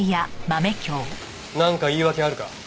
なんか言い訳あるか？